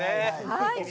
はい。